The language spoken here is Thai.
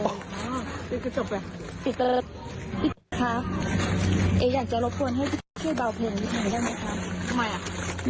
อีกอยากจะรบควรให้ที่เบาเพลงพิมพ์ได้ไหมครับ